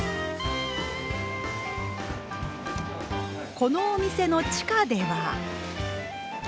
このお店の地下では。